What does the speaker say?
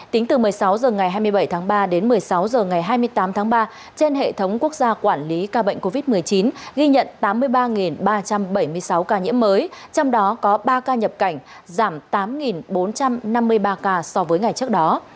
tính từ một mươi sáu h ngày hai mươi bảy tháng ba đến một mươi sáu h ngày hai mươi tám tháng ba trên hệ thống quốc gia quản lý ca bệnh covid một mươi chín ghi nhận tám mươi ba ba trăm bảy mươi sáu ca nhiễm mới trong đó có ba ca nhập cảnh giảm tám bốn trăm năm mươi ba ca so với ngày trước đó